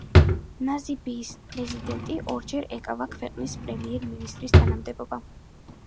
ნამიბიის პრეზიდენტი, ორჯერ ეკავა ქვეყნის პრემიერ-მინისტრის თანამდებობა.